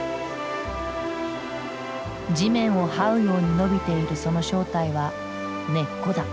地面をはうように伸びているその正体は根っこだ。